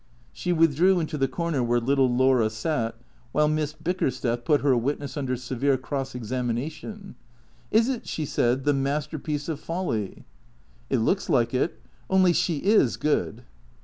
She withdrew into the corner where little Laura sat, while Miss Bickersteth put her witness under severe cross examina tion. " Is it," she said, " the masterpiece of folly ?"" It looks like it. Only, she is good."